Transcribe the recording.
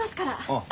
ああ。